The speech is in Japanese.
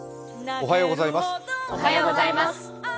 おはようございます。